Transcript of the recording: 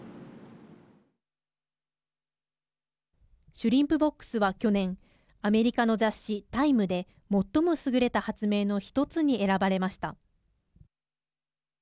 シュリンプボックスは去年アメリカの雑誌タイムで最も優れた発明の１つに選ばれました。